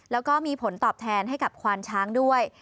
แล้วก็มีผลตอบแทนให้กับควานช้างด้วย